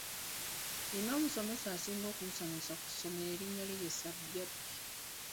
Nnina omusomesa asinga okunsanyusa ku ssomero erinnya lye ye Ssajjabbi.